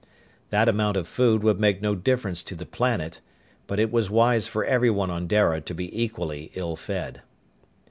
That amount of food would make no difference to the planet, but it was wise for everyone on Dara to be equally ill fed.